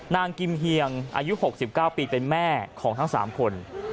กิมเฮียงอายุ๖๙ปีเป็นแม่ของทั้ง๓คน